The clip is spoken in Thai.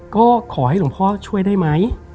ก็ขอให้หลวงพ่อช่วยได้ไหม